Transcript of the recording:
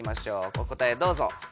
お答えどうぞ。